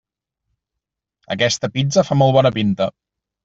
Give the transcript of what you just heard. Aquesta pizza fa molt bona pinta.